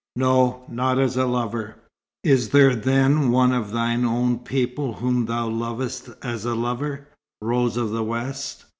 "No. Not as a lover." "Is there then one of thine own people whom thou lovest as a lover, Rose of the West?"